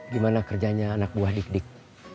gimana kerjanya anak buah dik dik